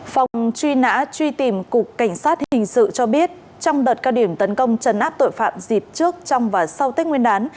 phòng truy nã truy tìm cục cảnh sát hình sự cho biết trong đợt cao điểm tấn công chấn áp tội phạm dịp trước trong và sau tết nguyên đán